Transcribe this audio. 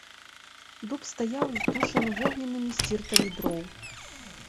Дуб стаяў, здушаны вогненнымі сціртамі дроў.